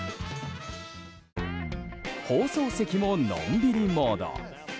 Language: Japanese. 放送席も、のんびりモード。